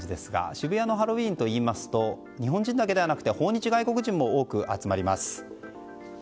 渋谷のハロウィーンといいますと日本人だけではなくて訪日外国人も多く集まります。